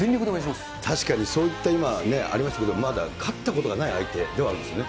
確かにそういった今、ありますけど、まだ勝ったことがない相手ではあるんですね。